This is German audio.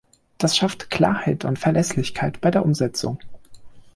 Das schafft Klarheit und Verlässlichkeit bei der Umsetzung.